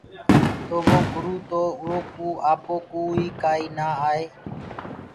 تو وو گُروُ تو اُرو ڪوُ آئو ڪوُ ئي ڪآئي نآ آئي۔